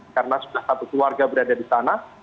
karena sudah satu keluarga berada di sana